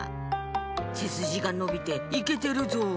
『せすじがのびていけてるぞ！』